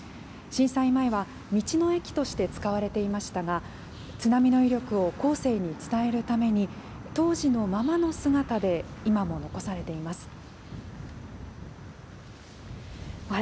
震災前は道の駅として使われていましたが、津波の威力を後世に伝えるために、当時のままの姿で今も残されています。